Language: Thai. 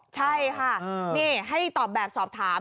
ใช่ค่ะนี่ให้ตอบแบบสอบถาม